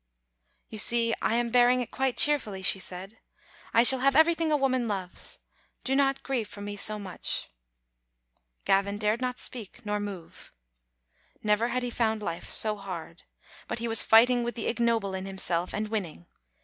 " You see, I am bearing it quite cheerfully," she said. " I shall have everything a woman loves ; do not grieve for me so much." Gavin dared not speak nor move. Never had he found life so hard ; but he was fighting with the ignoble in himself, and winning.